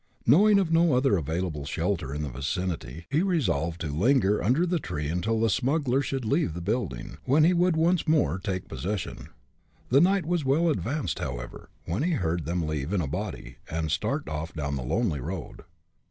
Knowing of no other available shelter in the vicinity, he resolved to linger under the tree until the smugglers should leave the building, when he would once more take possession. The night was well advanced, however, when he heard them leave in a body, and start off down the lonely road.